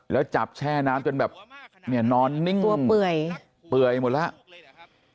แล้วจับแช่น้ำจนแบบเนี่ยนอนนิ่งกลัวเปื่อยเปื่อยหมดแล้ว